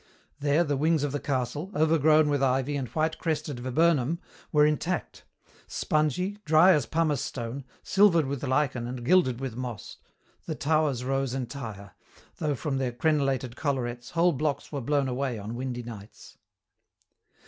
There the wings of the castle, overgrown with ivy and white crested viburnum, were intact. Spongy, dry as pumice stone, silvered with lichen and gilded with moss, the towers rose entire, though from their crenelated collarettes whole blocks were blown away on windy nights.